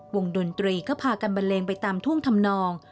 วงดนตรีก็พากันบันเลงไปตามท่วงธรรมนอง